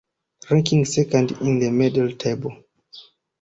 Ranking second in the medal table.